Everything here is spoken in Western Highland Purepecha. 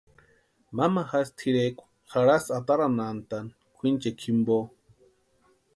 Mamajasï tʼirekwa jarhasti ataranhantani kwʼinchika jimpo.